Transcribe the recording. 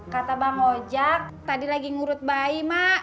kata bang ojak tadi lagi ngurut bayi mak